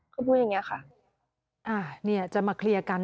เขาพูดอย่างนี้ค่ะอ่าเนี่ยจะมาเคลียร์กัน